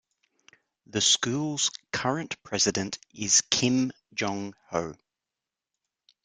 The school's current president is Kim Jong-ho.